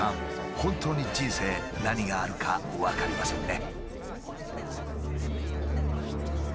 本当に人生何があるか分かりませんね。